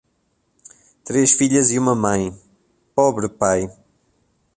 Três filhas e uma mãe, pobre pai.